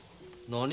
何？